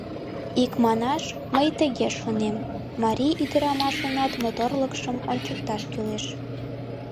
Икманаш, мый тыге шотлем: марий ӱдырамашынат моторлыкшым ончыкташ кӱлеш...